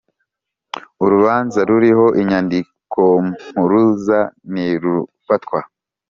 urubanza ruriho inyandikompuruza ntirufatwa